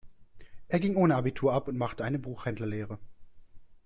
Er ging ohne Abitur ab und machte eine Buchhändlerlehre.